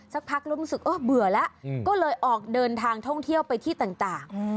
สักพักเริ่มรู้สึกเออเบื่อแล้วก็เลยออกเดินทางท่องเที่ยวไปที่ต่าง